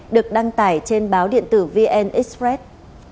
được đăng tải trên báo điện tử vn express